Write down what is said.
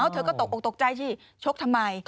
เธอก็ตกตกใจชกทำไม